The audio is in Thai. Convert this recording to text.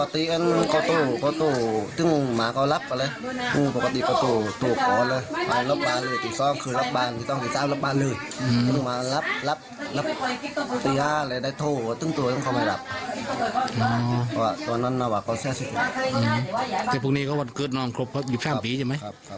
แต่พรุ่งนี้ก็คือนอนครบเพราะอยู่ท่ามฤีใช่ไหม